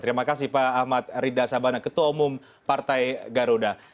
terima kasih pak ahmad rida sabana ketua umum partai garuda